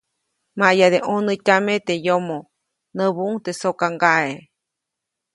‒Maʼyade ʼnonätyame teʼ yomoʼ-, näbuʼuŋ teʼ sokaŋgaʼe.